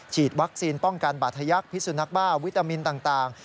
ฉีดวัคซีนป้องกันบาธยักษ์พิสุนักบ้าวิตามินต่าง